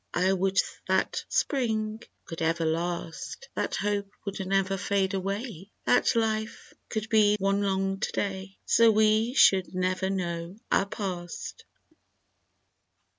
I would that Spring could ever last, That Hope would never fade away. That Life could be one long To day, So we should never know a Past